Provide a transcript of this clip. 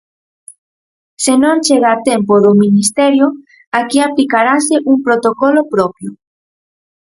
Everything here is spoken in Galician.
Se non chega a tempo o do Ministerio, aquí aplicarase un protocolo propio.